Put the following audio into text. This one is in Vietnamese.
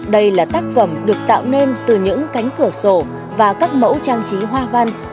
đây là tác phẩm được tạo nên từ những cánh cửa sổ và các mẫu trang trí hoa văn